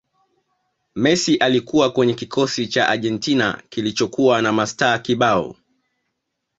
messi alikuwa kwenye kikosi cha argentina kilichokuwa na mastaa kibao